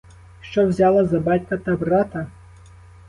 Що взяла за батька та брата?